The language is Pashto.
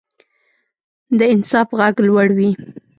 د انصاف غږ لوړ وي